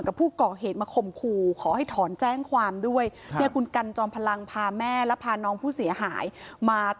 คือจริงแล้วแจ้งความเอาไว้แล้วนะคะ